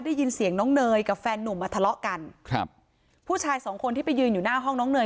ได้ยินเสียงน้องเนยกับแฟนหนุ่มมาทะเลาะกันครับผู้ชายสองคนที่ไปยืนอยู่หน้าห้องน้องเนย